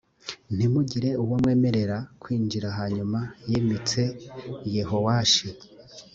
ntimugire uwo mwemerera kwinjira hanyuma yimitse yehowashi